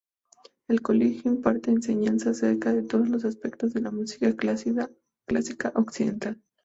El colegio imparte enseñanza acerca de todos los aspectos de la música clásica occidental.